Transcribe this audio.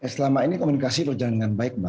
selama ini komunikasi itu jangan dengan baik mbak